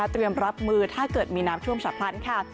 เตรียมรับมือถ้าเกิดมีน้ำท่วมฉับพลันค่ะ